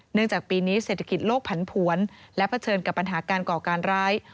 จากปีนี้เศรษฐกิจโลกผันผวนและเผชิญกับปัญหาการก่อการร้าย